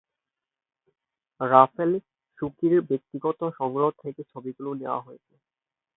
Rafael সুইকি'র ব্যক্তিগত সংগ্রহ থেকে ছবিগুলো নেয়া হয়েছে।